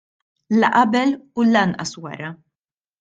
La qabel u lanqas wara.